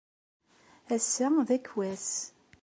Ass-a d akwas.